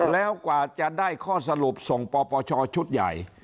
แล้วกว่าจะได้ข้อสรุปส่งปปชชุดใหญ่